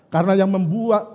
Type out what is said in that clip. karena yang membuat